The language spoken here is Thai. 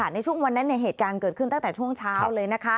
ในช่วงวันนั้นเหตุการณ์เกิดขึ้นตั้งแต่ช่วงเช้าเลยนะคะ